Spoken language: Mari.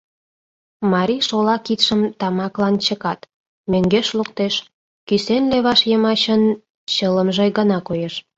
Марий шола кидшым тамаклан чыкат, мӧҥгеш луктеш, кӱсен леваш йымачын чылымже гына коеш.